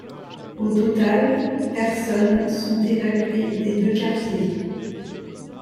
Au total personnes sont évacuées des deux quartiers.